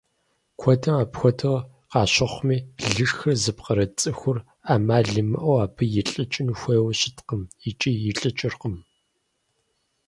Куэдым апхуэдэу къащыхъуми, лышхыр зыпкърыт цӀыхур Ӏэмал имыӀэу абы илӀыкӀын хуейуэ щыткъым икӀи илӀыкӀыркъым.